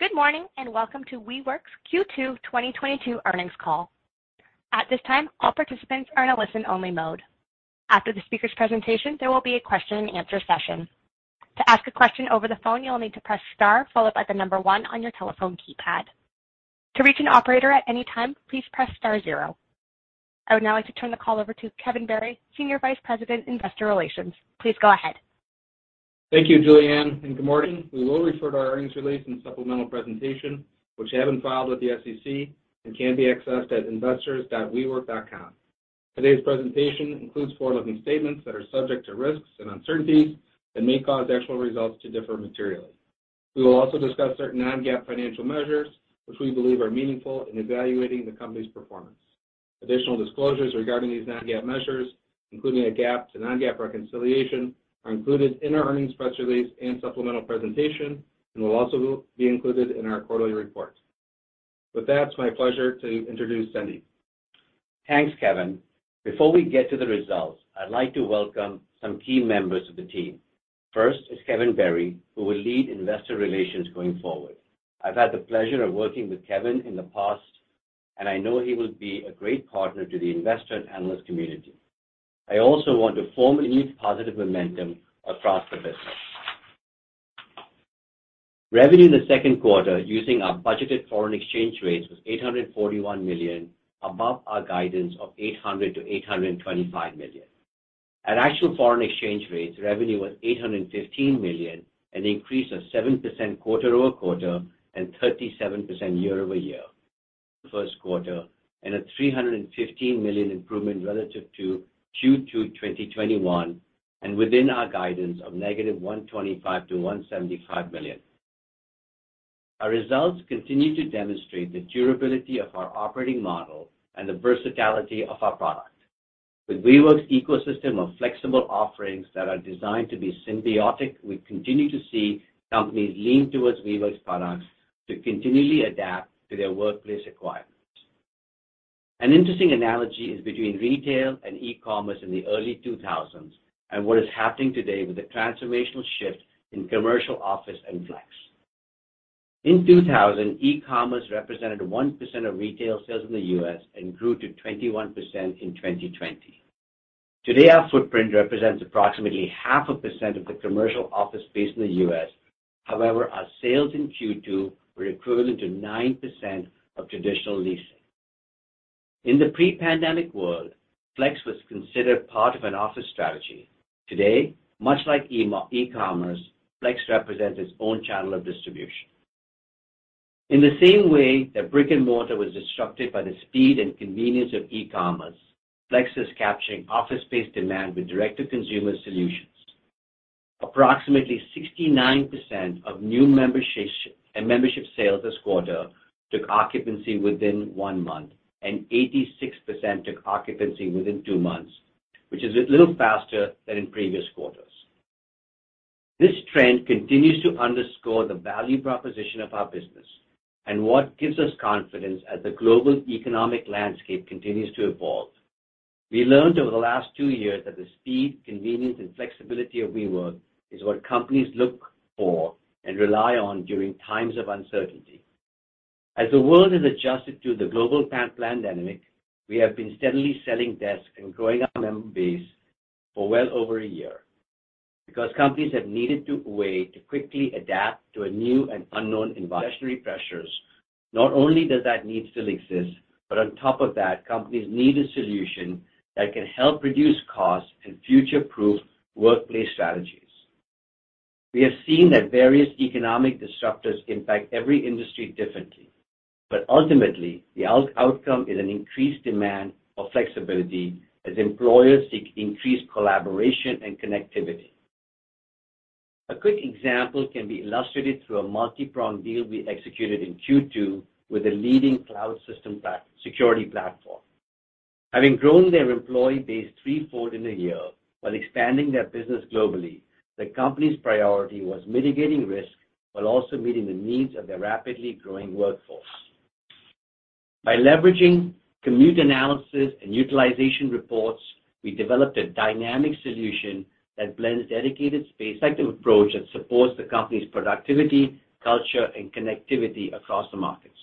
Good morning, and welcome to WeWork's Q2 2022 earnings call. At this time, all participants are in a listen-only mode. After the speaker's presentation, there will be a question-and-answer session. To ask a question over the phone, you'll need to press star followed by the number one on your telephone keypad. To reach an operator at any time, please press star zero. I would now like to turn the call over to Kevin Berry, Senior Vice President, Investor Relations. Please go ahead. Thank you, Julianne, and good morning. We will refer to our earnings release and supplemental presentation, which we haven't filed with the SEC and can be accessed at investors.wework.com. Today's presentation includes forward-looking statements that are subject to risks and uncertainties that may cause actual results to differ materially. We will also discuss certain non-GAAP financial measures which we believe are meaningful in evaluating the company's performance. Additional disclosures regarding these non-GAAP measures, including a GAAP to non-GAAP reconciliation, are included in our earnings press release and supplemental presentation and will also be included in our quarterly report. With that, it's my pleasure to introduce Sandeep. Thanks, Kevin. Before we get to the results, I'd like to welcome some key members of the team. First is Kevin Barry, who will lead investor relations going forward. I've had the pleasure of working with Kevin in the past, and I know he will be a great partner to the investor and analyst community. I also want to acknowledge the positive momentum across the business. Revenue in the second quarter using our budgeted foreign exchange rates was $841 million, above our guidance of $800 million-$825 million. At actual foreign exchange rates, revenue was $815 million, an increase of 7% quarter-over-quarter and 37% year-over-year. First quarter, and a $315 million improvement relative to Q2 2021 and within our guidance of $-125 million-$175 million. Our results continue to demonstrate the durability of our operating model and the versatility of our product. With WeWork's ecosystem of flexible offerings that are designed to be symbiotic, we continue to see companies lean towards WeWork's products to continually adapt to their workplace requirements. An interesting analogy is between retail and e-commerce in the early 2000s and what is happening today with the transformational shift in commercial office and flex. In 2000, e-commerce represented 1% of retail sales in the U.S. and grew to 21% in 2020. Today, our footprint represents approximately 0.5% of the commercial office space in the U.S. However, our sales in Q2 were equivalent to 9% of traditional leasing. In the pre-pandemic world, flex was considered part of an office strategy. Today, much like e-commerce, flex represents its own channel of distribution. In the same way that brick and mortar was disrupted by the speed and convenience of e-commerce, flex is capturing office space demand with direct-to-consumer solutions. Approximately 69% of new membership sales this quarter took occupancy within one month, and 86% took occupancy within two months, which is a little faster than in previous quarters. This trend continues to underscore the value proposition of our business and what gives us confidence as the global economic landscape continues to evolve. We learned over the last two years that the speed, convenience, and flexibility of WeWork is what companies look for and rely on during times of uncertainty. As the world has adjusted to the global pandemic, we have been steadily selling desks and growing our member base for well over a year. Because companies have needed a way to quickly adapt to a new and unknown environment, evolutionary pressures, not only does that need still exist, but on top of that, companies need a solution that can help reduce costs and future-proof workplace strategies. We have seen that various economic disruptors impact every industry differently. Ultimately, the outcome is an increased demand for flexibility as employers seek increased collaboration and connectivity. A quick example can be illustrated through a multi-pronged deal we executed in Q2 with a leading cloud security platform. Having grown their employee base threefold in a year while expanding their business globally, the company's priority was mitigating risk while also meeting the needs of their rapidly growing workforce. By leveraging commute analysis and utilization reports, we developed a dynamic solution that blends dedicated space active approach that supports the company's productivity, culture, and connectivity across the markets.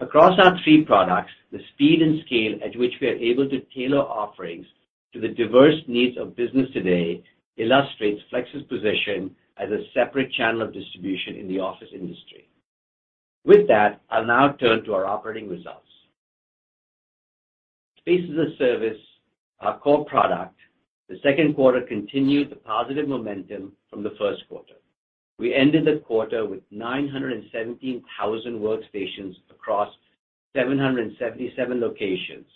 Across our three products, the speed and scale at which we are able to tailor offerings to the diverse needs of business today illustrates Flex's position as a separate channel of distribution in the office industry. With that, I'll now turn to our operating results. Space as a service, our core product, the second quarter continued the positive momentum from the first quarter. We ended the quarter with 917,000 workstations across 777 locations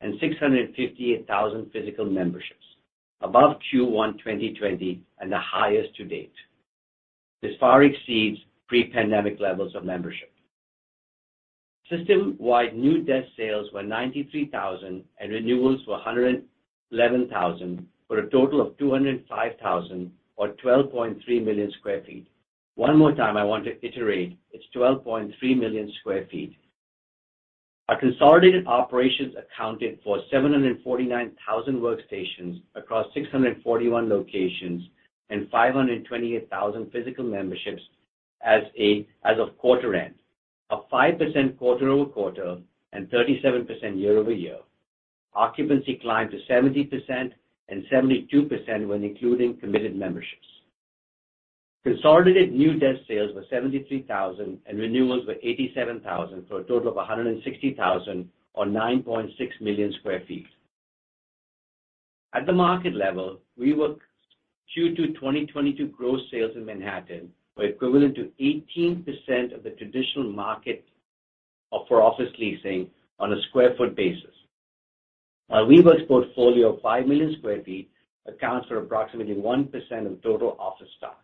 and 658,000 physical memberships, above Q1 2020 and the highest to date. This far exceeds pre-pandemic levels of membership. System-wide new desk sales were 93,000, and renewals were 111,000, for a total of 205,000 or 12.3 million sq ft. One more time, I want to reiterate it's 12.3 million sq ft. Our consolidated operations accounted for 749,000 workstations across 641 locations and 528,000 physical memberships as of quarter end. Up 5% quarter-over-quarter and 37% year-over-year. Occupancy climbed to 70% and 72% when including committed memberships. Consolidated new desk sales were 73,000, and renewals were 87,000, for a total of 160,000, or 9.6 million sq ft. At the market level, WeWork Q2 2022 gross sales in Manhattan were equivalent to 18% of the traditional market for office leasing on a sq ft basis. Our WeWork's portfolio of 5 million sq ft accounts for approximately 1% of total office stock.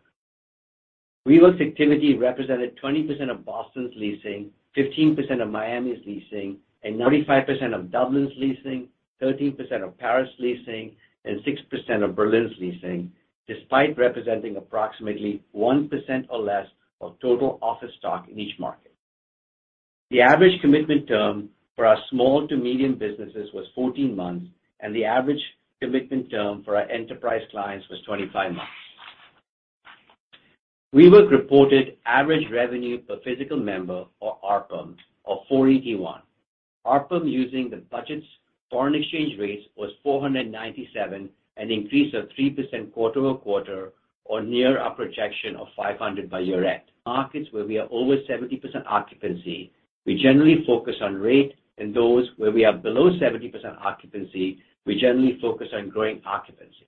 WeWork's activity represented 20% of Boston's leasing, 15% of Miami's leasing, and 25% of Dublin's leasing, 13% of Paris' leasing, and 6% of Berlin's leasing, despite representing approximately 1% or less of total office stock in each market. The average commitment term for our small to medium businesses was 14 months, and the average commitment term for our enterprise clients was 25 months. WeWork reported average revenue per physical member, or ARPM, of $481. ARPM using the budget's foreign exchange rates was 497, an increase of 3% quarter-over-quarter, or near our projection of 500 by year end. Markets where we are over 70% occupancy, we generally focus on rate. In those where we are below 70% occupancy, we generally focus on growing occupancy.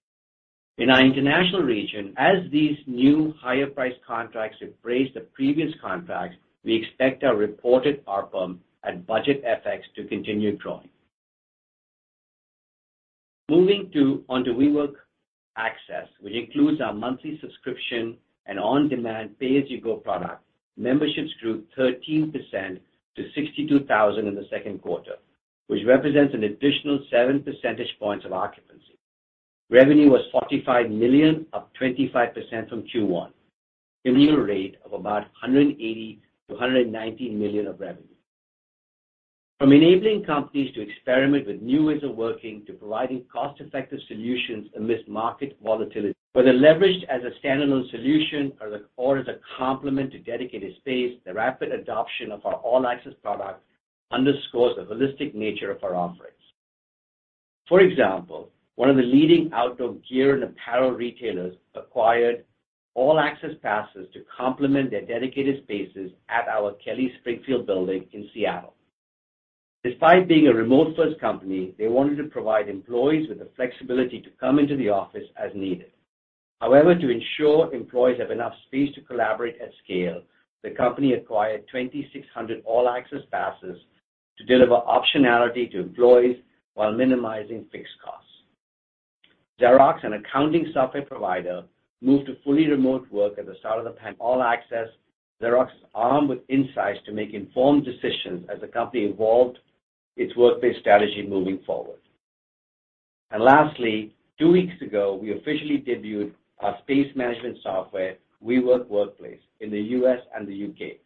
In our international region, as these new higher priced contracts replace the previous contracts, we expect our reported ARPM and budget FX to continue growing. Moving to WeWork All Access, which includes our monthly subscription and on-demand pay-as-you-go product, memberships grew 13% to 62,000 in the second quarter, which represents an additional seven percentage points of occupancy. Revenue was $45 million, up 25% from Q1, annual rate of about $180 million-$190 million of revenue. From enabling companies to experiment with new ways of working to providing cost-effective solutions amidst market volatility. Whether leveraged as a standalone solution or as a complement to dedicated space, the rapid adoption of our All Access product underscores the holistic nature of our offerings. For example, one of the leading outdoor gear and apparel retailers acquired All Access passes to complement their dedicated spaces at our Kelly-Springfield Building in Seattle. Despite being a remote-first company, they wanted to provide employees with the flexibility to come into the office as needed. However, to ensure employees have enough space to collaborate at scale, the company acquired 2,600 All Access passes to deliver optionality to employees while minimizing fixed costs. Xero, an accounting software provider, moved to fully remote work at the start of the pandemic. All Access. Xero is armed with insights to make informed decisions as the company evolved its workplace strategy moving forward. Lastly, two weeks ago, we officially debuted our space management software, WeWork Workplace, in the U.S. and the U.K.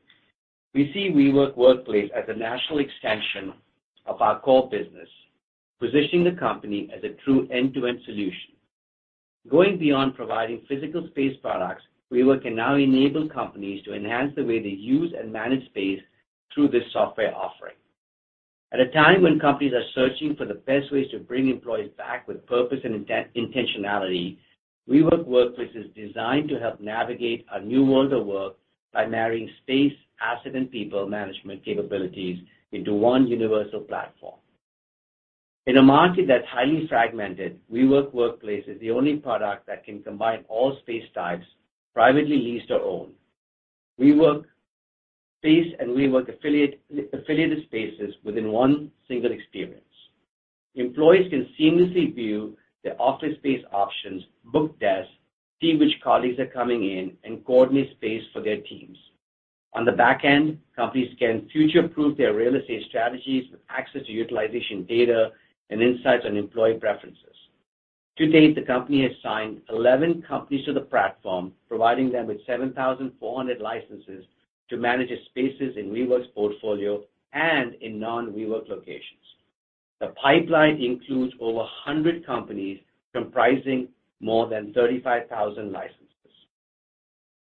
We see WeWork Workplace as a natural extension of our core business, positioning the company as a true end-to-end solution. Going beyond providing physical space products, WeWork can now enable companies to enhance the way they use and manage space through this software offering. At a time when companies are searching for the best ways to bring employees back with purpose and intentionality, WeWork Workplace is designed to help navigate a new world of work by marrying space, asset, and people management capabilities into one universal platform. In a market that's highly fragmented, WeWork Workplace is the only product that can combine all space types, privately leased or owned. WeWork Workplace and WeWork-affiliated spaces within one single experience. Employees can seamlessly view their office space options, book desks, see which colleagues are coming in, and coordinate space for their teams. On the back end, companies can future-proof their real estate strategies with access to utilization data and insights on employee preferences. To date, the company has signed 11 companies to the platform, providing them with 7,400 licenses to manage its spaces in WeWork's portfolio and in non-WeWork locations. The pipeline includes over 100 companies comprising more than 35,000 licenses.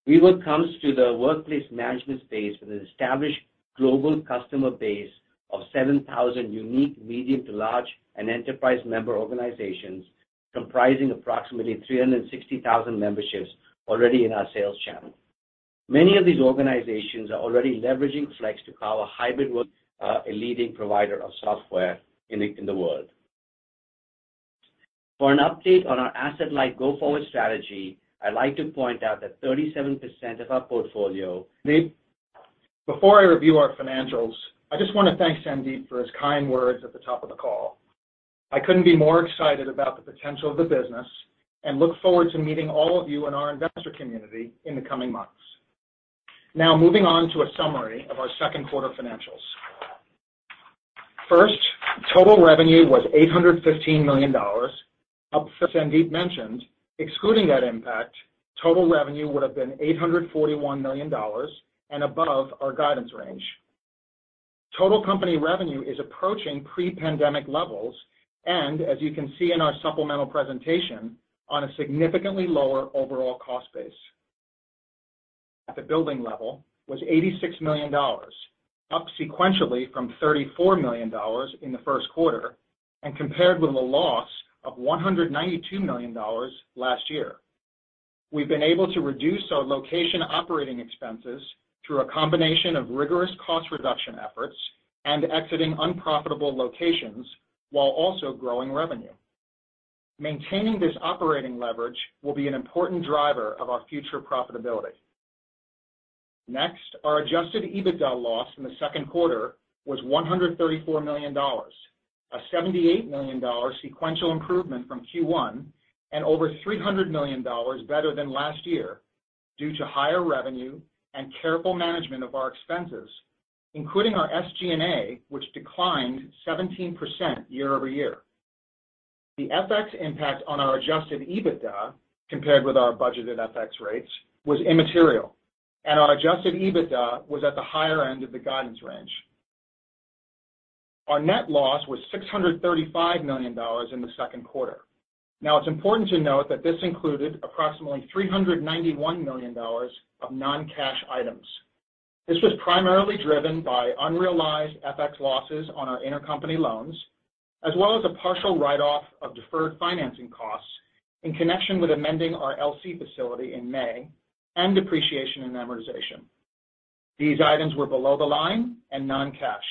WeWork comes to the workplace management space with an established global customer base of 7,000 unique medium to large and enterprise member organizations comprising approximately 360,000 memberships already in our sales channel. Many of these organizations are already leveraging Flex to power hybrid work, a leading provider of software in the world. For an update on our asset-light go-forward strategy, I'd like to point out that 37% of our portfolio- Before I review our financials, I just wanna thank Sandeep for his kind words at the top of the call. I couldn't be more excited about the potential of the business and look forward to meeting all of you in our investor community in the coming months. Now, moving on to a summary of our second quarter financials. First, total revenue was $815 million. As Sandeep mentioned, excluding that impact, total revenue would have been $841 million and above our guidance range. Total company revenue is approaching pre-pandemic levels and as you can see in our supplemental presentation, on a significantly lower overall cost base. At the building level was $86 million, up sequentially from $34 million in the first quarter, and compared with a loss of $192 million last year. We've been able to reduce our location operating expenses through a combination of rigorous cost reduction efforts and exiting unprofitable locations while also growing revenue. Maintaining this operating leverage will be an important driver of our future profitability. Next, our adjusted EBITDA loss in the second quarter was $134 million, a $78 million sequential improvement from Q1 and over $300 million better than last year due to higher revenue and careful management of our expenses, including our SG&A, which declined 17% year-over-year. The FX impact on our adjusted EBITDA compared with our budgeted FX rates was immaterial, and our adjusted EBITDA was at the higher end of the guidance range. Our net loss was $635 million in the second quarter. Now it's important to note that this included approximately $391 million of non-cash items. This was primarily driven by unrealized FX losses on our intercompany loans, as well as a partial write-off of deferred financing costs in connection with amending our LC facility in May and depreciation and amortization. These items were below the line and non-cash.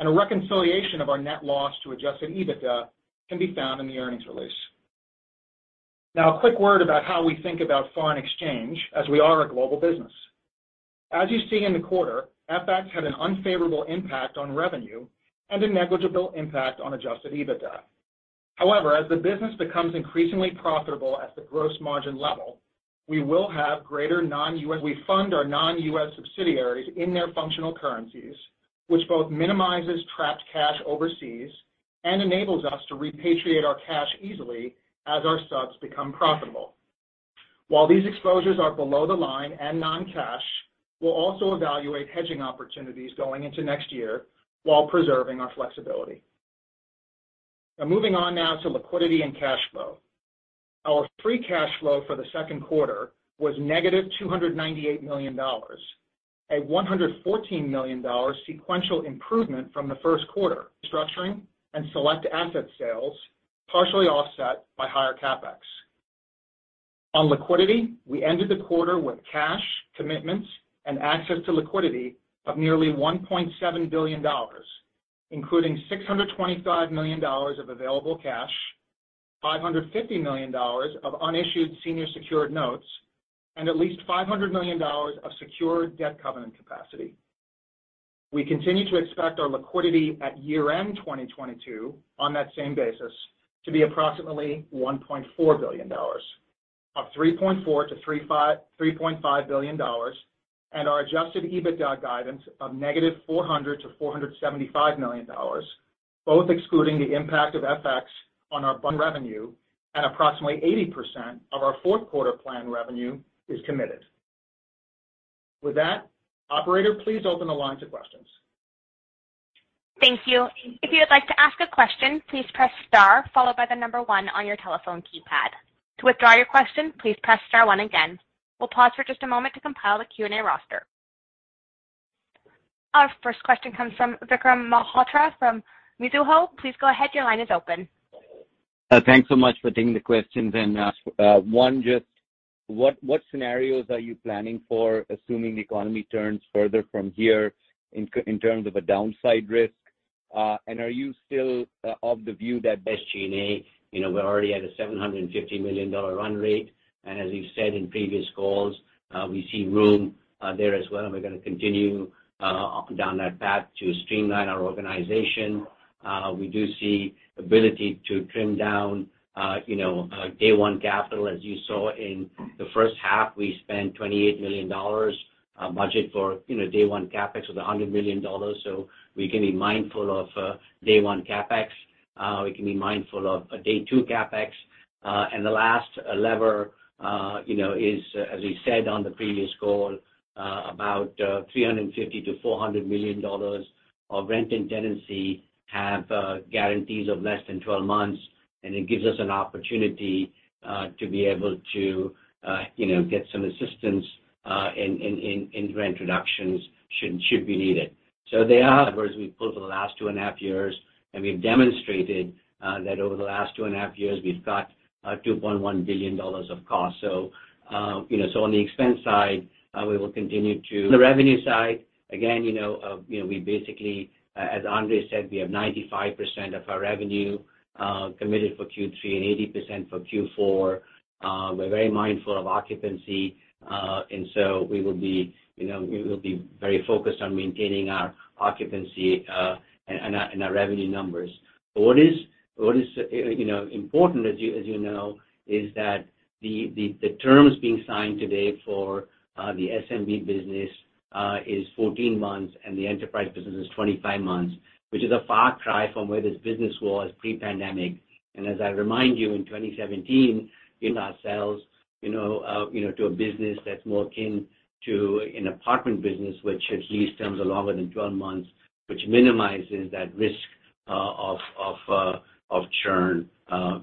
A reconciliation of our net loss to adjusted EBITDA can be found in the earnings release. Now a quick word about how we think about foreign exchange as we are a global business. As you see in the quarter, FX had an unfavorable impact on revenue and a negligible impact on adjusted EBITDA. However, as the business becomes increasingly profitable at the gross margin level, we will have greater non-U.S. We fund our non-U.S. subsidiaries in their functional currencies, which both minimizes trapped cash overseas and enables us to repatriate our cash easily as our subs become profitable. While these exposures are below the line and non-cash, we'll also evaluate hedging opportunities going into next year while preserving our flexibility. Now moving on now to liquidity and cash flow. Our free cash flow for the second quarter was negative $298 million, a $114 million sequential improvement from the first quarter, restructuring and select asset sales, partially offset by higher CapEx. On liquidity, we ended the quarter with cash, commitments, and access to liquidity of nearly $1.7 billion, including $625 million of available cash, $550 million of unissued senior secured notes, and at least $500 million of secured debt covenant capacity. We continue to expect our liquidity at year-end 2022 on that same basis to be approximately $1.4 billion. Of $3.4-$3.5 billion and our adjusted EBITDA guidance of negative $400-$475 million, both excluding the impact of FX on our Revenue at approximately 80% of our fourth quarter planned revenue is committed. With that, operator, please open the line to questions. Thank you. If you would like to ask a question, please press star followed by the number one on your telephone keypad. To withdraw your question, please press star one again. We'll pause for just a moment to compile the Q&A roster. Our first question comes from Vikram Malhotra from Mizuho. Please go ahead. Your line is open. Thanks so much for taking the questions. What scenarios are you planning for assuming the economy turns further from here in terms of a downside risk? Are you still of the view that SG&A? You know, we're already at a $750 million run rate, and as you said in previous calls, we see room there as well, and we're gonna continue up and down that path to streamline our organization. We do see ability to trim down, you know, day one capital. As you saw in the first half, we spent $28 million, budget for, you know, day one CapEx with $100 million. We can be mindful of day one CapEx. We can be mindful of day two CapEx. The last lever, you know, is, as we said on the previous call, about $350 million-$400 million of rent and tenancy have guarantees of less than 12 months, and it gives us an opportunity, you know, to be able to get some assistance in rent reductions should be needed. Whereas we've pulled for the last two and a half years, and we've demonstrated that over the last two and a half years, we've got $2.1 billion of cost. You know, so on the expense side, we will continue to. On the revenue side, again, you know, we basically, as Andre said, we have 95% of our revenue committed for Q3 and 80% for Q4. We're very mindful of occupancy, and so we will be, you know, very focused on maintaining our occupancy, and our revenue numbers. What is, you know, important as you know, is that the terms being signed today for the SMB business is 14 months, and the enterprise business is 25 months. Which is a far cry from where this business was pre-pandemic. As I remind you, in 2017, we ourselves, you know, to a business that's more akin to an apartment business which has lease terms of longer than 12 months, which minimizes that risk of churn,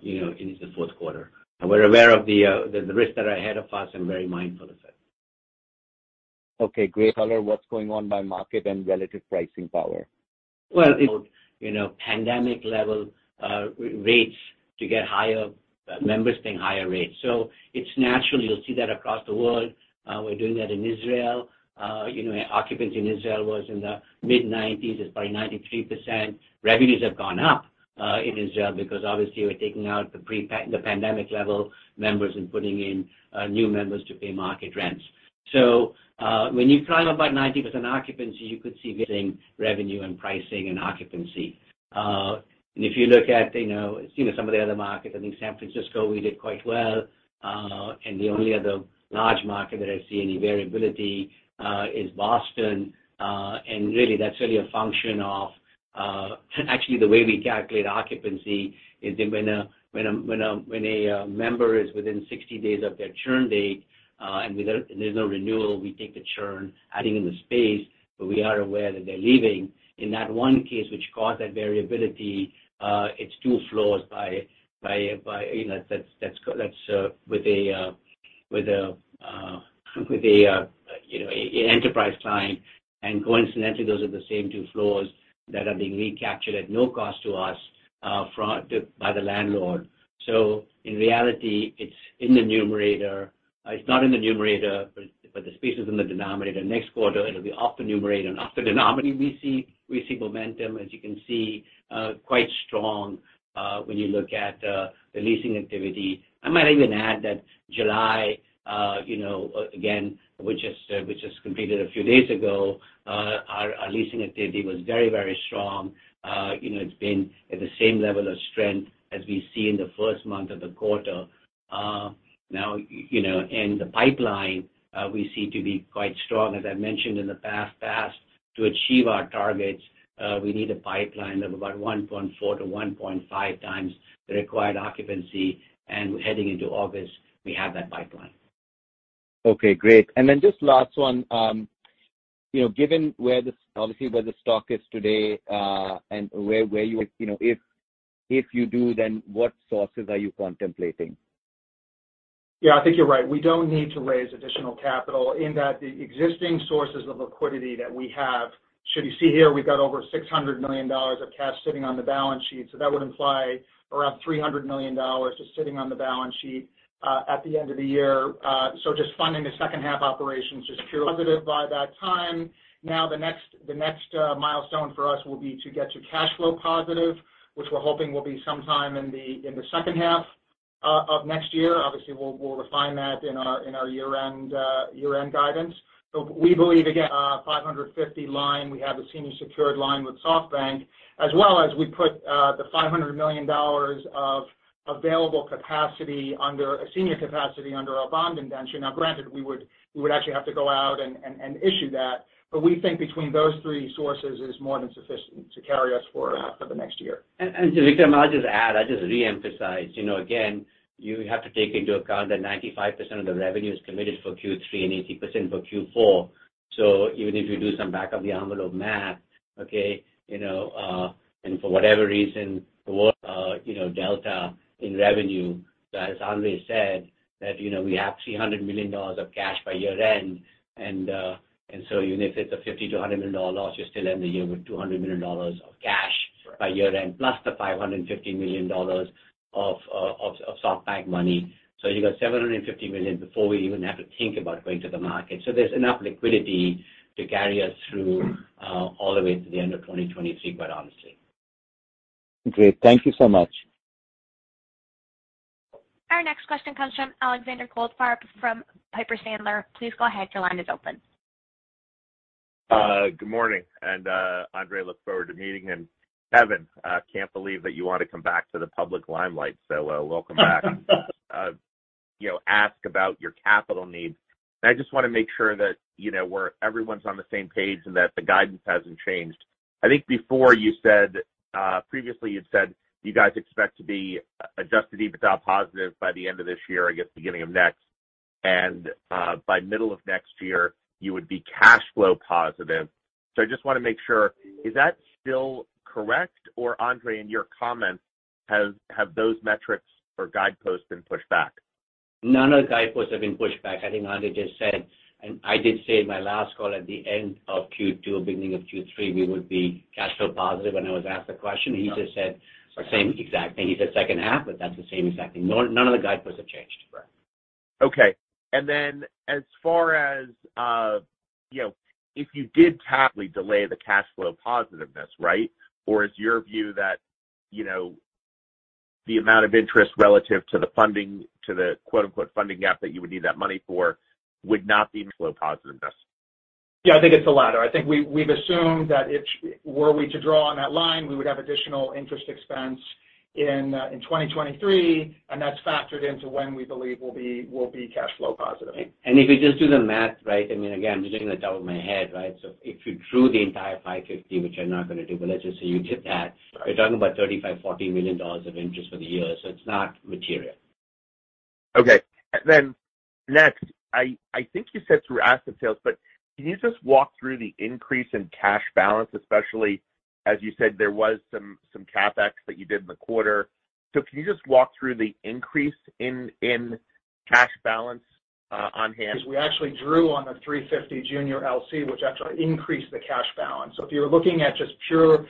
you know, into the fourth quarter. We're aware of the risks that are ahead of us and very mindful of it. Okay, great. Otherwise, what's going on by market and relative pricing power? Well, you know, pandemic level rates to get higher, members paying higher rates. It's natural, you'll see that across the world. We're doing that in Israel. You know, occupancy in Israel was in the mid-90s. It's probably 93%. Revenues have gone up in Israel because obviously we're taking out the pandemic level members and putting in new members to pay market rents. When you price up by 90% occupancy, you could see rising revenue and pricing and occupancy. If you look at, you know, some of the other markets, I think San Francisco, we did quite well. The only other large market that I see any variability is Boston. That's really a function of actually the way we calculate occupancy is that when a member is within 60 days of their churn date, and without there's no renewal, we take the churn, adding in the space, but we are aware that they're leaving. In that one case which caused that variability, it's two floors by you know that's with a you know a enterprise client. Coincidentally, those are the same two floors that are being recaptured at no cost to us by the landlord. In reality, it's in the numerator. It's not in the numerator, but the space is in the denominator. Next quarter, it'll be off the numerator and off the denominator. We see momentum, as you can see, quite strong, when you look at the leasing activity. I might even add that July, you know, again, which has completed a few days ago, our leasing activity was very strong. You know, it's been at the same level of strength as we see in the first month of the quarter. Now, you know, in the pipeline, we seem to be quite strong. As I mentioned in the past, to achieve our targets, we need a pipeline of about 1.4x-1.5x the required occupancy, and heading into August, we have that pipeline. Okay, great. Just last one, you know, given where the stock is today, and where you would, you know. If you do, then what sources are you contemplating? Yeah, I think you're right. We don't need to raise additional capital in that the existing sources of liquidity that we have should, you see, here, we've got over $600 million of cash sitting on the balance sheet. That would imply around $300 million just sitting on the balance sheet at the end of the year. Just funding the second half operations is pure positive by that time. Now the next milestone for us will be to get to cash flow positive, which we're hoping will be sometime in the second half of next year. Obviously, we'll refine that in our year-end guidance. We believe $550 line, we have a senior secured line with SoftBank, as well as we put the $500 million of available capacity under a senior capacity under our bond indenture. Now granted, we would actually have to go out and issue that. We think between those three sources is more than sufficient to carry us for the next year. Vikram, may I just add, I'll just re-emphasize. You know, again, you have to take into account that 95% of the revenue is committed for Q3 and 80% for Q4. Even if you do some back of the envelope math, okay, you know, and for whatever reason, the world, you know, delta in revenue, as Andre said, that, you know, we have $300 million of cash by year-end. Even if it's a $50 million-$100 million dollar loss, you still end the year with $200 million of cash. Right. By year-end, plus the $550 million of SoftBank money. You got $750 million before we even have to think about going to the market. There's enough liquidity to carry us through all the way to the end of 2023, quite honestly. Great. Thank you so much. Our next question comes from Alexander Goldfarb from Piper Sandler. Please go ahead, your line is open. Good morning, Andre, look forward to meeting him. Kevin, can't believe that you want to come back to the public limelight, so, welcome back. You know, ask about your capital needs. I just wanna make sure that, you know, everyone's on the same page and that the guidance hasn't changed. I think before you said, previously you'd said you guys expect to be adjusted EBITDA positive by the end of this year, I guess beginning of next. By middle of next year, you would be cash flow positive. I just wanna make sure, is that still correct? Or Andre, in your comments, have those metrics or guideposts been pushed back? None of the guideposts have been pushed back. I think Andre just said, and I did say in my last call at the end of Q2 or beginning of Q3, we would be cash flow positive when I was asked the question. He just said the same exact thing. He said second half, but that's the same exact thing. None of the guideposts have changed. Right. Okay. As far as, you know, if you did technically delay the cash flow positiveness, right? Is your view that, you know, the amount of interest relative to the funding, to the quote-unquote "funding gap" that you would need that money for would not be cash flow positiveness? Yeah, I think it's the latter. I think we've assumed that, were we to draw on that line, we would have additional interest expense. In 2023, and that's factored into when we believe we'll be cash flow positive. If you just do the math, right, I mean, again, I'm just doing it off the top of my head, right? If you drew the entire $550, which I'm not gonna do, but let's just say you did that. Right. You're talking about $35 million-$40 million of interest for the year, so it's not material. Okay. Next, I think you said through asset sales, but can you just walk through the increase in cash balance, especially as you said, there was some CapEx that you did in the quarter. Can you just walk through the increase in cash balance on hand? As we actually drew on the 350 junior LC, which actually increased the cash balance. If you're looking at just pure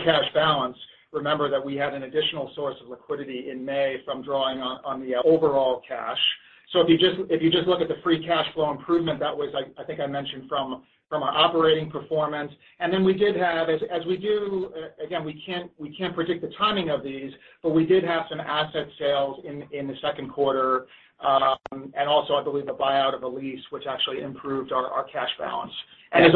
cash balance, remember that we had an additional source of liquidity in May from drawing on the overall cash. If you just look at the free cash flow improvement, that was, I think I mentioned from our operating performance. We did have, as we do, again, we can't predict the timing of these, but we did have some asset sales in the second quarter, and also I believe the buyout of a lease which actually improved our cash balance. It is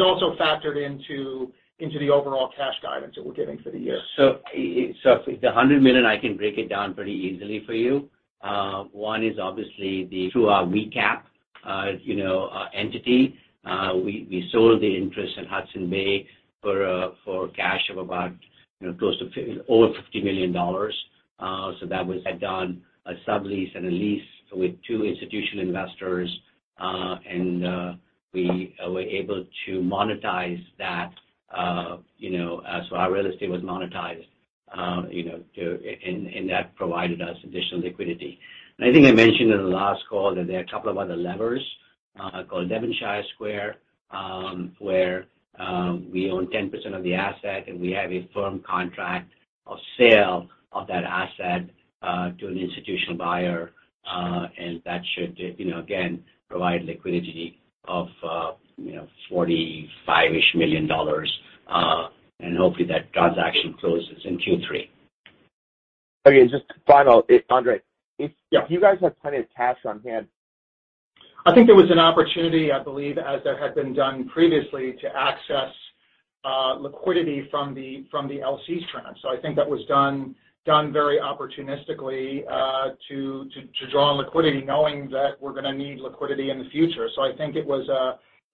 also factored into the overall cash guidance that we're giving for the year. For the $100 million, I can break it down pretty easily for you. One is obviously through our WeCap, you know, entity, we sold the interest in Hudson Yards for cash of about, you know, close to over $50 million. That was a sublease and a lease with two institutional investors, and we were able to monetize that, you know, as our real estate was monetized, you know, and that provided us additional liquidity. I think I mentioned in the last call that there are a couple of other levers, called Devonshire Square, where we own 10% of the asset, and we have a firm contract of sale of that asset, to an institutional buyer, and that should, you know, again, provide liquidity of, you know, $45-ish million, and hopefully that transaction closes in Q3. Okay. Just to follow, Andre. Yeah. If you guys have plenty of cash on hand. I think there was an opportunity, I believe, as there had been done previously, to access liquidity from the LC tranche. I think that was done very opportunistically to draw on liquidity knowing that we're gonna need liquidity in the future. I think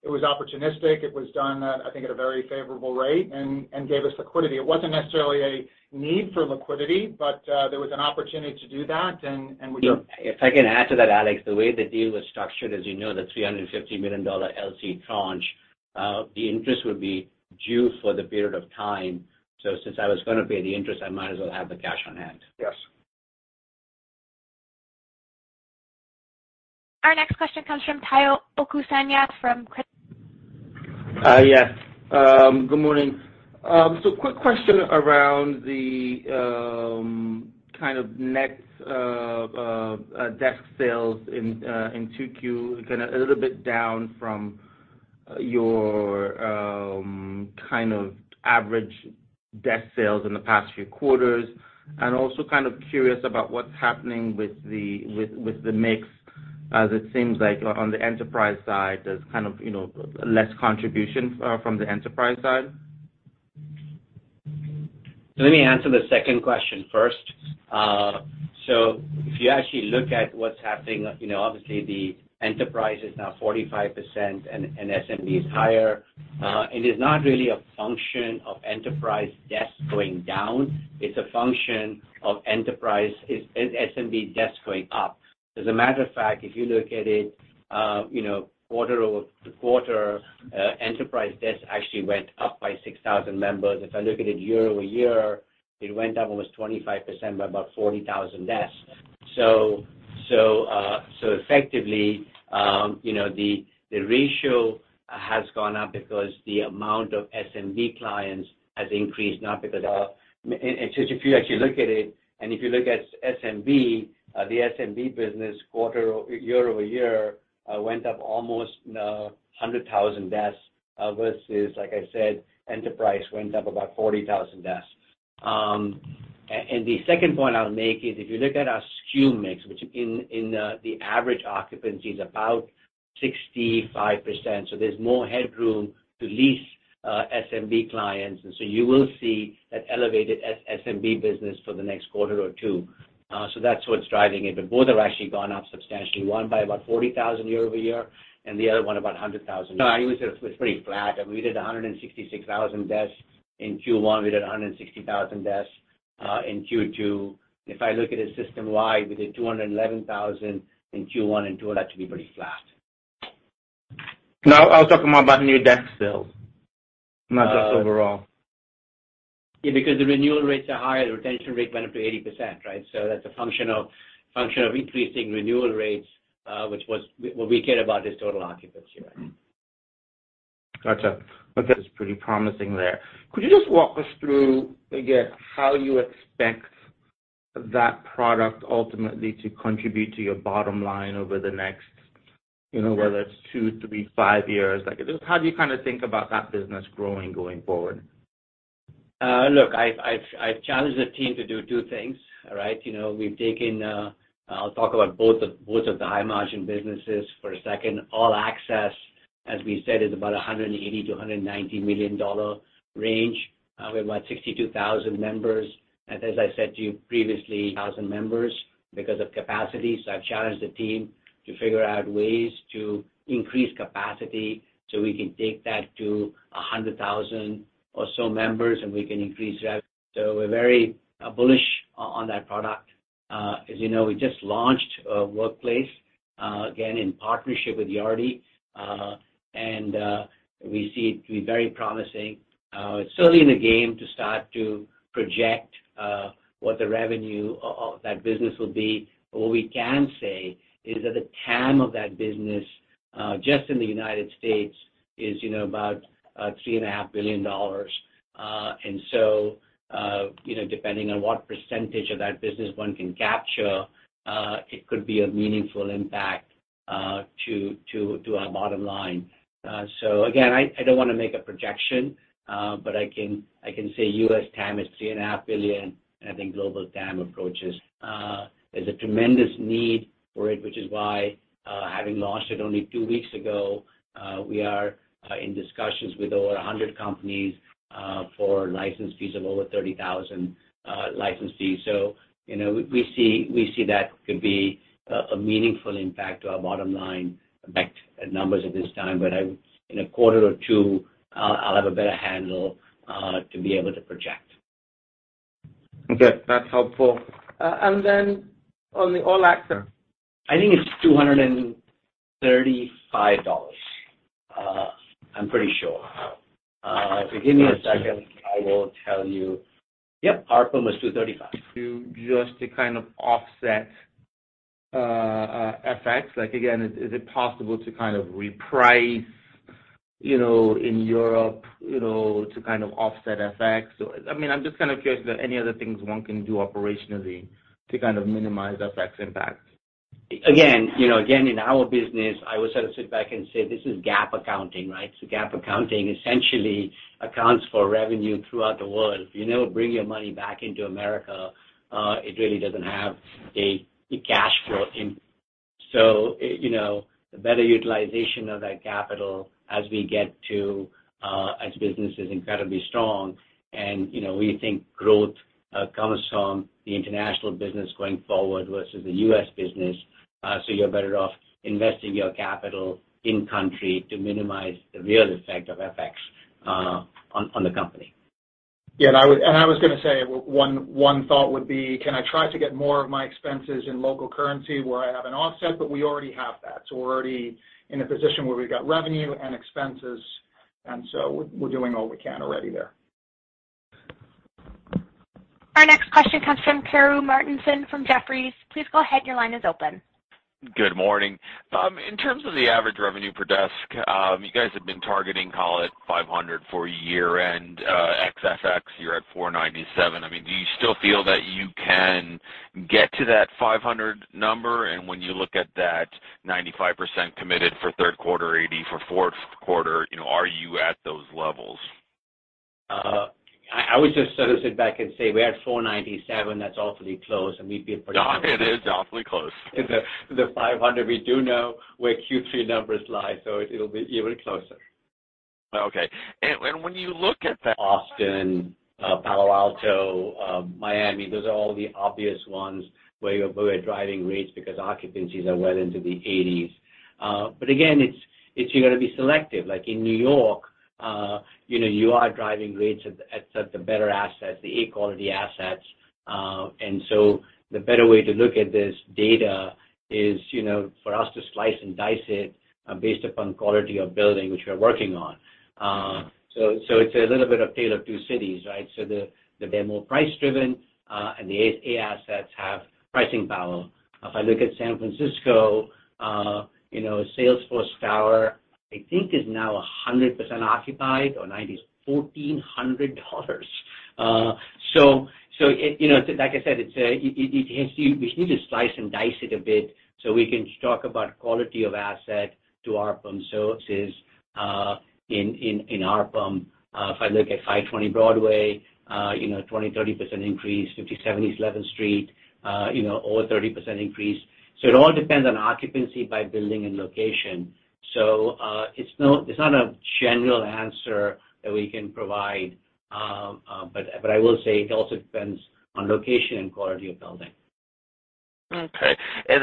it was opportunistic. It was done, I think at a very favorable rate and gave us liquidity. It wasn't necessarily a need for liquidity, but there was an opportunity to do that, and we- If I can add to that, Alex. The way the deal was structured, as you know, the $350 million LC tranche, the interest would be due for the period of time. Since I was gonna pay the interest, I might as well have the cash on hand. Yes. Our next question comes from Tayo Okusanya from Credit Suisse. Yes. Good morning. Quick question around the kind of next desk sales in 2Q. Kinda a little bit down from your kind of average desk sales in the past few quarters. Also kind of curious about what's happening with the mix, as it seems like on the enterprise side, there's kind of, you know, less contribution from the enterprise side. Let me answer the second question first. If you actually look at what's happening, you know, obviously the enterprise is now 45% and SMB is higher. It is not really a function of enterprise desks going down. It's a function of SMB desks going up. As a matter of fact, if you look at it, you know, quarter-over-quarter, enterprise desks actually went up by 6,000 members. If I look at it year-over-year, it went up almost 25% by about 40,000 desks. Effectively, you know, the ratio has gone up because the amount of SMB clients has increased, not because of. Since if you actually look at it, and if you look at SMB, the SMB business year-over-year went up almost 100,000 desks versus, like I said, enterprise went up about 40,000 desks. The second point I'll make is if you look at our SKU mix, which in the average occupancy is about 65%. There's more headroom to lease SMB clients. You will see that elevated SMB business for the next quarter or two. That's what's driving it. Both have actually gone up substantially, one by about 40,000 year-over-year and the other one about 100,000. No, I would say it was pretty flat. I mean, we did 166,000 desks in Q1. We did 160,000 desks in Q2. If I look at it system-wide, we did 211,000 in Q1, and Q2 are actually pretty flat. No, I was talking more about new desk sales, not just overall. Yeah, because the renewal rates are higher, the retention rate went up to 80%, right? That's a function of increasing renewal rates, what we care about is total occupancy, right? Gotcha. Okay. It's pretty promising there. Could you just walk us through again how you expect that product ultimately to contribute to your bottom line over the next, you know, whether it's two, three, five years? Like, just how do you kinda think about that business growing going forward? Look, I've challenged the team to do two things, all right? You know, we've taken, I'll talk about both of the high margin businesses for a second. All Access. As we said, it's about a $180 million-$190 million range. We have about 62,000 members. As I said to you previously, thousand members because of capacity. I've challenged the team to figure out ways to increase capacity so we can take that to a 100,000 or so members, and we can increase rev. We're very bullish on that product. As you know, we just launched Workplace again in partnership with Yardi. We see it to be very promising. It's early in the game to start to project what the revenue of that business will be. What we can say is that the TAM of that business just in the United States is, you know, about $3.5 billion. You know, depending on what percentage of that business one can capture, it could be a meaningful impact to our bottom line. Again, I don't wanna make a projection, but I can say U.S. TAM is $3.5 billion, and I think global TAM approaches. There's a tremendous need for it, which is why, having launched it only two weeks ago, we are in discussions with over 100 companies for license fees of over $30,000. You know, we see that could be a meaningful impact to our bottom line effect numbers at this time. In a quarter or two, I'll have a better handle to be able to project. Okay, that's helpful. On the All Access. I think it's $235. I'm pretty sure. If you give me a second, I will tell you. Yep, ARPM was $235. Just to kind of offset FX. Like, again, is it possible to kind of reprice, you know, in Europe, you know, to kind of offset FX? I mean, I'm just kind of curious if there are any other things one can do operationally to kind of minimize FX impact. Again, you know, in our business, I would sort of sit back and say, this is GAAP accounting, right? GAAP accounting essentially accounts for revenue throughout the world. If you never bring your money back into America, it really doesn't have a cash flow in. You know, the better utilization of that capital as we get to, as business is incredibly strong. You know, we think growth comes from the international business going forward versus the U.S. business. You're better off investing your capital in country to minimize the real effect of FX on the company. Yeah, and I was gonna say one thought would be, can I try to get more of my expenses in local currency where I have an offset? We already have that. We're already in a position where we've got revenue and expenses, and we're doing all we can already there. Our next question comes from Karru Martinson from Jefferies. Please go ahead, your line is open. Good morning. In terms of the average revenue per desk, you guys have been targeting, call it $500 for year-end. ex-FX, you're at $497. I mean, do you still feel that you can get to that $500 number? When you look at that 95% committed for third quarter, 80% for fourth quarter, you know, are you at those levels? I would just sort of sit back and say we're at $4.97. That's awfully close, and we'd be pretty- Yeah, it is awfully close. $500, we do know where Q3 numbers lie, so it'll be even closer. Okay. When you look at the. Austin, Palo Alto, Miami, those are all the obvious ones where we're driving rates because occupancies are well into the 80s. It's you gotta be selective. Like in New York, you know, you are driving rates at the better assets, the A quality assets. The better way to look at this data is, you know, for us to slice and dice it based upon quality of building, which we are working on. It's a little bit of A Tale of Two Cities, right? They're more price driven, and the A-assets have pricing power. If I look at San Francisco, you know, Salesforce Tower, I think is now 100% occupied or 90%. $1,400. It, you know, like I said, it's, you need to slice and dice it a bit so we can talk about quality of asset to ARPM. It is in ARPM, if I look at 520 Broadway, you know, 20%-30% increase. 57 East 11th Street, you know, over 30% increase. It all depends on occupancy by building and location. It's not a general answer that we can provide. But I will say it also depends on location and quality of building. Okay.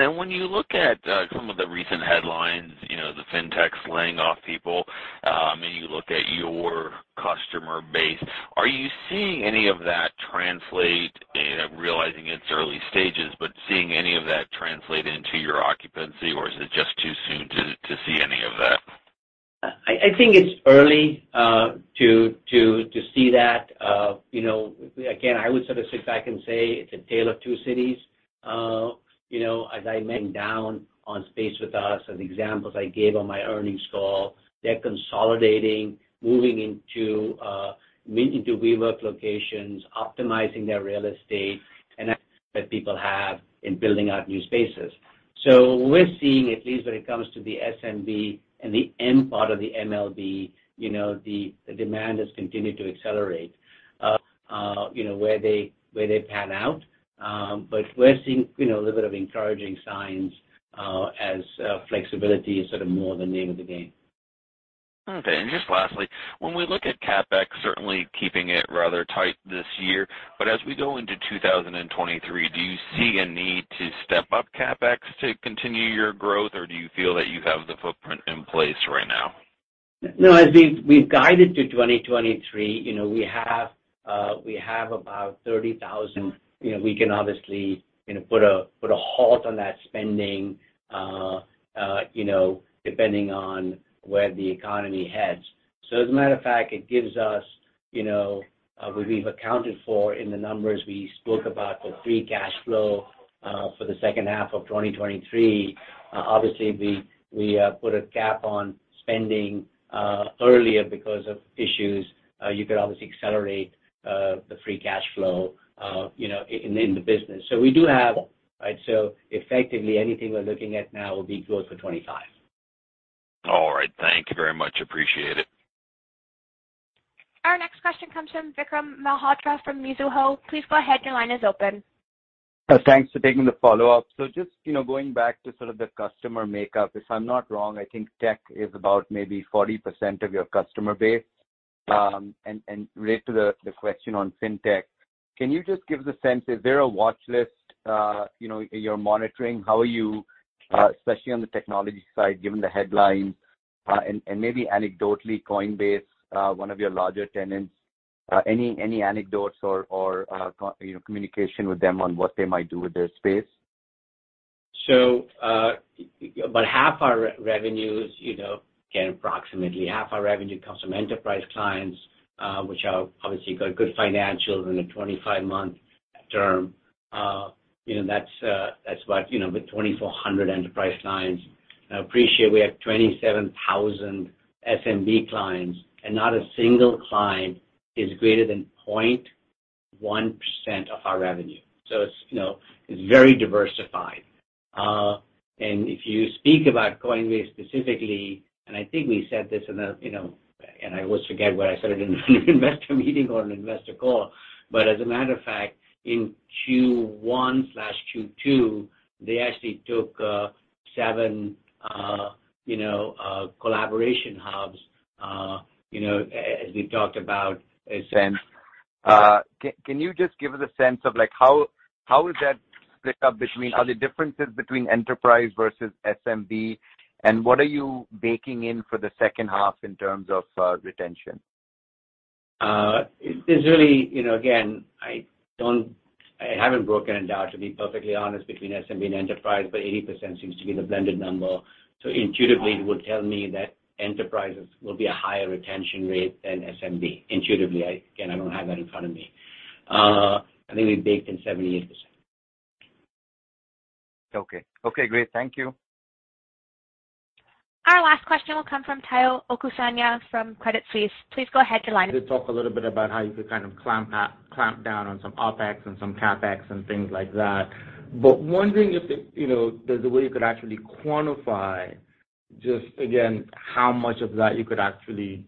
When you look at some of the recent headlines, you know, the Fintechs laying off people, and you look at your customer base, are you seeing any of that translate? Realizing it's early stages, but seeing any of that translate into your occupancy, or is it just too soon to see any of that? I think it's early to see that. You know, again, I would sort of sit back and say it's A Tale of Two Cities. You know, as I mentioned on Space as a Service or the examples I gave on my earnings call, they're consolidating, moving into WeWork locations, optimizing their real estate and rather than building out new spaces. We're seeing, at least when it comes to the SMB and the end part of the MLB, you know, the demand has continued to accelerate. You know, where they pan out, but we're seeing, you know, a little bit of encouraging signs, as flexibility is sort of more the name of the game. Okay. Just lastly, when we look at CapEx, certainly keeping it rather tight this year, but as we go into 2023, do you see a need to step up CapEx to continue your growth, or do you feel that you have the footprint in place right now? No, as we've guided to 2023, you know, we have about 30,000. You know, we can obviously, you know, put a halt on that spending, you know, depending on where the economy heads. As a matter of fact, it gives us, you know, what we've accounted for in the numbers we spoke about, the free cash flow, for the second half of 2023. Obviously, we put a cap on spending earlier because of issues. You could obviously accelerate the free cash flow, you know, in the business. Effectively, anything we're looking at now will be growth for 2025. All right. Thank you very much. Appreciate it. Our next question comes from Vikram Malhotra from Mizuho. Please go ahead, your line is open. Thanks for taking the follow-up. Just, you know, going back to sort of the customer makeup, if I'm not wrong, I think tech is about maybe 40% of your customer base. And related to the question on fintech, can you just give the sense, is there a watchlist, you know, you're monitoring? How are you, especially on the technology side, given the headlines, and maybe anecdotally, Coinbase, one of your larger tenants, any anecdotes or, you know, communication with them on what they might do with their space? about half our revenues, you know, again, approximately half our revenue comes from enterprise clients, which are obviously got good financials in a 25-month term. You know, that's what, you know, with 2,400 enterprise clients. I appreciate we have 27,000 SMB clients, and not a single client is greater than 0.1% of our revenue. It's, you know, it's very diversified. And if you speak about Coinbase specifically, and I think we said this in a, you know, and I always forget where I said it, in an investor meeting or an investor call. But as a matter of fact, in Q1/Q2, they actually took seven, you know, collaboration hubs, you know, as we talked about. Can you just give us a sense of like how is that split up between are there differences between enterprise versus SMB, and what are you baking in for the second half in terms of retention? It's really, you know, again, I haven't broken it down, to be perfectly honest, between SMB and enterprise, but 80% seems to be the blended number. Intuitively, it would tell me that enterprises will be a higher retention rate than SMB. Intuitively, I, again, I don't have that in front of me. I think we baked in 78%. Okay. Okay, great. Thank you. Our last question will come from Tayo Okusanya from Credit Suisse. Please go ahead, your line. You did talk a little bit about how you could kind of clamp down on some OpEx and some CapEx and things like that. Wondering if it, you know, there's a way you could actually quantify just again, how much of that you could actually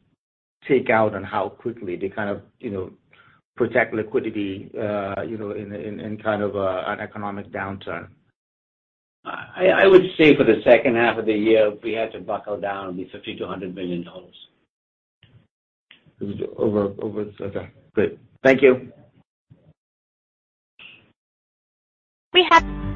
take out and how quickly to kind of, you know, protect liquidity, you know, in kind of an economic downturn. I would say for the second half of the year, we had to buckle down the $50 million-$100 million. Over. Okay, great. Thank you. We have.